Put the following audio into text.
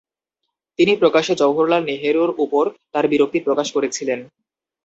তিনি প্রকাশ্যে জওহরলাল নেহেরুর উপর তার বিরক্তি প্রকাশ করেছিলেন।